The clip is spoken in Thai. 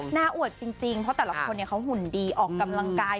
อวดจริงเพราะแต่ละคนเขาหุ่นดีออกกำลังกาย